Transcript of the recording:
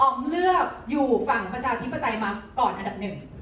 อ๋อมเลือกอยู่ฝั่งประชาธิปไตรมาสมัยก่อนอันดับ๑